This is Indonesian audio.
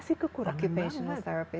masih kekurangan banget